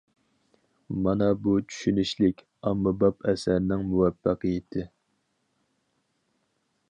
مانا بۇ چۈشىنىشلىك، ئاممىباب ئەسەرنىڭ مۇۋەپپەقىيىتى.